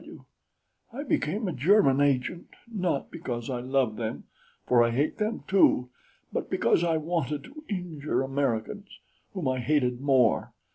W. W. I became a German agent not because I love them, for I hate them too but because I wanted to injure Americans, whom I hated more.